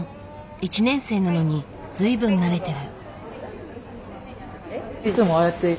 １年生なのに随分慣れてる。